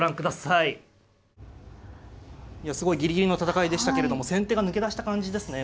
いやすごいぎりぎりの戦いでしたけれども先手が抜け出した感じですね